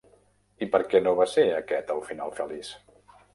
I per què no va ser aquest el final feliç?